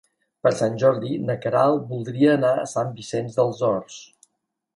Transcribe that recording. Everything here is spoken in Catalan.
Per Sant Jordi na Queralt voldria anar a Sant Vicenç dels Horts.